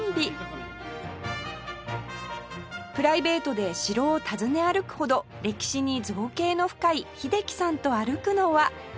プライベートで城を訪ね歩くほど歴史に造詣の深い英樹さんと歩くのは